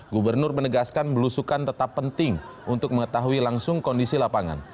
gubernur menegaskan belusukan tetap penting untuk mengetahui langsung kondisi lapangan